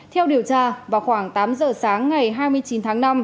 theo điều tra vào khoảng tám giờ sáng ngày hai mươi chín tháng năm